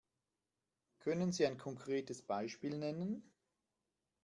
Können Sie ein konkretes Beispiel nennen?